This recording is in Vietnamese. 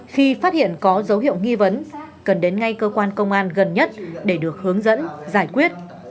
khi phát hiện có dấu hiệu nghi vấn cần đến ngay cơ quan công an gần nhất để được hướng dẫn giải quyết